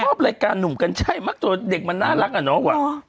ชอบรายการหนุ่มกันใช่แต่เด็กมันน่ารักอ่ะเนาะกว่า